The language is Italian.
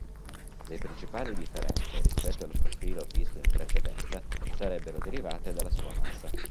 Le principali differenze rispetto al profilo visto in precedenza, sarebbero derivate dalla sua massa.